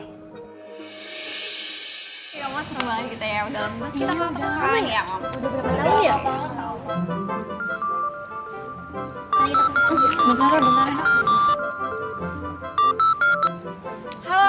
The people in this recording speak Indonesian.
ya om seronoh banget kita ya udah lama kita gak tau temen temen lagi ya om